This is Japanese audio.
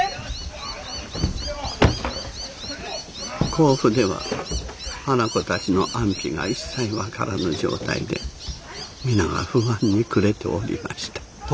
甲府では花子たちの安否が一切分からぬ状態で皆が不安に暮れておりました。